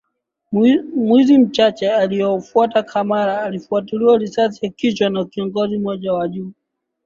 mwizi mchache iliofwata camara alifiatuliwa risasi ya kichwa na kiongozi moja wa juu